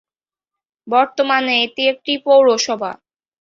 বর্তমানে এটি একটি পৌরসভা।